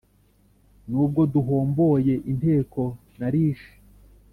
N'ubwo duhomboye inteko narishe !"